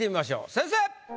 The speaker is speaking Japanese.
先生！